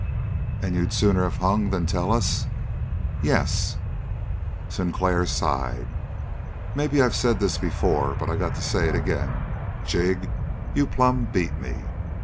"And you'd sooner have hung than tell us?" "Yes." Sinclair sighed. "Maybe I've said this before, but I got to say it ag'in: Jig, you plumb beat me!"